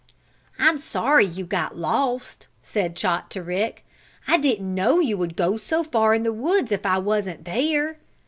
"I'm sorry you got lost," said Chot to Rick. "I didn't know you would go so far in the woods if I wasn't there."